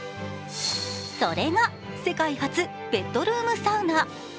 それが、世界初ベッドルームサウナ。